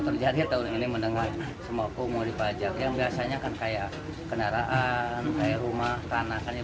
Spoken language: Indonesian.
ppn bahan pangan dinilai memberatkan masyarakat karena harga barang asli